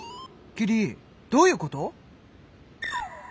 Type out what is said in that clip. キリどういうこと！？